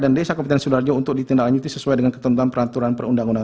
dan desa keputusan sidoarjo untuk ditindak lanjuti sesuai dengan ketentuan peraturan perundangan